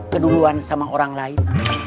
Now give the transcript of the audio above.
keduluan sama orang lain